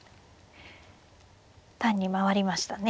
単に回りましたね。